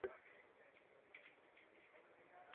তাহাতে ছবিও দেওয়া আছে।